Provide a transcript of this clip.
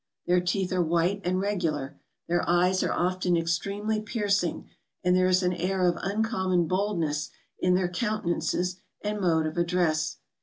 Their teeth are white and regular ; their eyes are often extremely piercing; and there is an air of uncommon boldness in their counten¬ ances and mode of address.